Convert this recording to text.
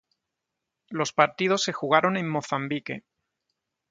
Los partidos se jugaron en Mozambique.